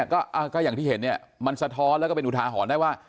ก็อย่างที่เห็นเนี่ยมันสะท้อนแล้วก็เป็นอุทาหรณ์ได้ว่า